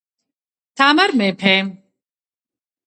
თამარ მეფე